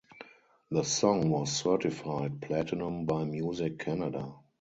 The song was certified Platinum by Music Canada.